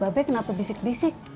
ba be kenapa bisik bisik